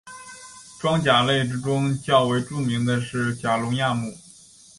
装甲类之中较为著名的是甲龙亚目。